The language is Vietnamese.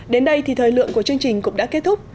đến đây thì thời lượng của chương trình cũng đã kết thúc